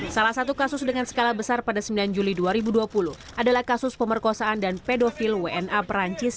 salah satu kasus dengan skala besar pada sembilan juli dua ribu dua puluh adalah kasus pemerkosaan dan pedofil wna perancis